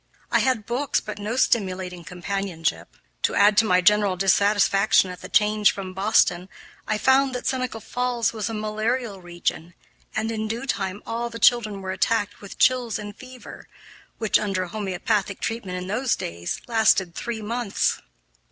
I had books, but no stimulating companionship. To add to my general dissatisfaction at the change from Boston, I found that Seneca Falls was a malarial region, and in due time all the children were attacked with chills and fever which, under homeopathic treatment in those days, lasted three months.